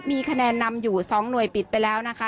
มีคะแนนนำอยู่๒หน่วยปิดไปแล้วนะคะ